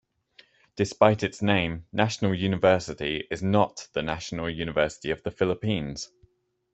Despite its name, National University is not the national university of the Philippines.